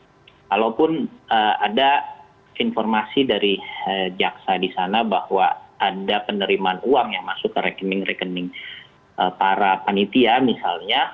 kalaupun ada informasi dari jaksa di sana bahwa ada penerimaan uang yang masuk ke rekening rekening para panitia misalnya